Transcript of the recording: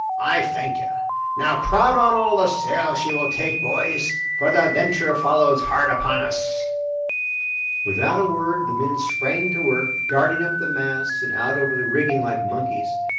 "I thank you. Now crowd on all the sail she will take, boys, for the Venture follows hard upon us!" Without a word the men sprang to work, darting up the masts and out over the rigging like monkeys.